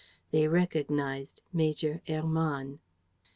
They recognized Major Hermann.